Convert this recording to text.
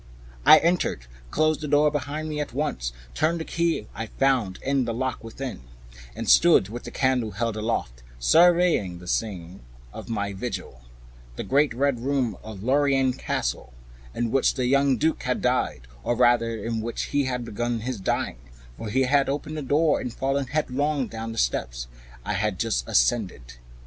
I entered, closed the door behind me at once, turned the key I found in the lock within, and stood with the candle held aloft surveying the scene of my vigil, the great Red Room of Lorraine Castle, in which the young Duke had died; or rather in which he had begun his dying, for he had opened the door and fallen headlong down the steps I had just ascended.